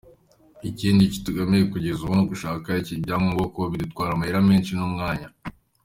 Ikindi kitubangamiye kugeza ubu ni ugushaka ibyangombwa, kuko bidutwara amahera menshi n’umwanya.